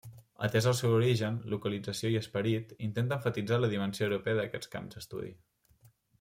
Atès el seu origen, localització i esperit, intenta emfatitzar la dimensió europea d'aquests camps d'estudi.